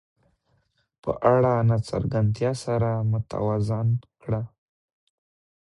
په اړه د ناڅرګندتیا سره متوازن کړه.